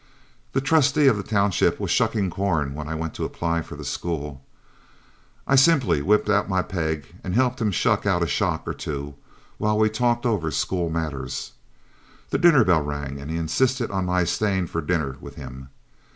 The trustee of the township was shucking corn when I went to apply for the school. I simply whipped out my peg and helped him shuck out a shock or two while we talked over school matters. The dinner bell rang, and he insisted on my staying for dinner with him.